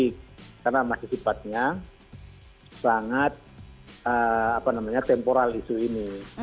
karena masih sifatnya sangat temporal isu ini